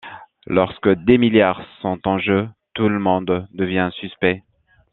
Lorsque des milliards sont en jeu, tout le monde devient suspect.